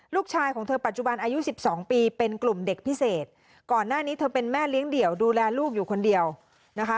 ลูกชายของเธอปัจจุบันอายุสิบสองปีเป็นกลุ่มเด็กพิเศษก่อนหน้านี้เธอเป็นแม่เลี้ยงเดี่ยวดูแลลูกอยู่คนเดียวนะคะ